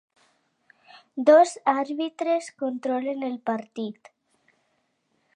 Dos àrbitres controlen el partit.